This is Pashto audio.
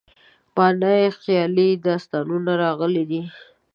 معنا یې خیالي داستانونه راغلې ده.